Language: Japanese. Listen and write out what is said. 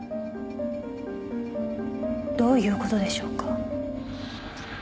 どういう事でしょうか？